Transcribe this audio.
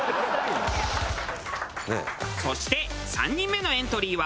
そして３人目のエントリーは。